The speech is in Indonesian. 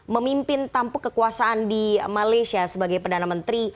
memimpin tampuk kekuasaan di malaysia sebagai perdana menteri